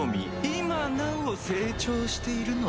今なお成長しているのです。